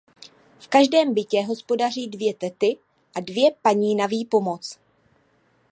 V každém bytě hospodaří dvě tety a dvě paní na výpomoc.